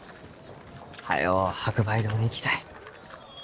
早う白梅堂に行きたい。